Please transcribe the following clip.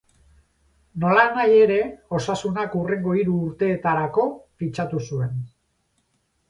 Nolanahi ere, Osasunak hurrengo hiru urteetarako fitxatu zuen.